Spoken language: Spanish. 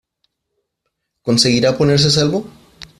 ¿ conseguirá ponerse en salvo?